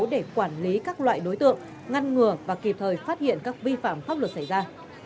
để quản lý các loại đối tượng ngăn ngừa và kịp thời phát hiện các vi phạm pháp luật xảy ra